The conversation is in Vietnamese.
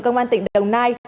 công an tỉnh đồng nai